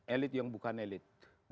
elit yang bukan elit